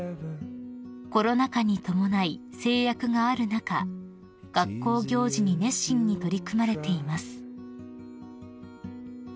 ［コロナ禍に伴い制約がある中学校行事に熱心に取り組まれています］